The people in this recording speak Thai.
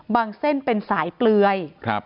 เส้นเป็นสายเปลือย